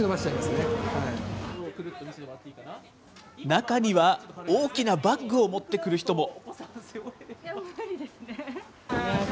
中には大きなバッグを持ってくる人も。